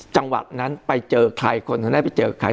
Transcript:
จังหวะนั้นไปเจอใครคนนั้นไปเจอใคร